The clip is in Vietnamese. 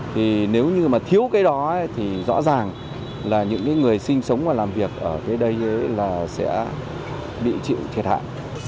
thì nếu như mà thiếu cái đó thì rõ ràng là những người sinh sống và làm việc ở cái đây là sẽ bị chịu thiệt hại